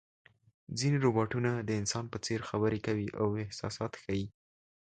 ځینې روباټونه د انسان په څېر خبرې کوي او احساسات ښيي.